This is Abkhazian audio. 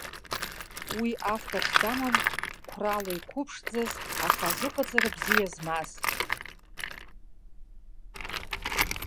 Уи авторс даман қәрала иқәыԥшӡаз, аха азыҟаҵара бзиа змаз.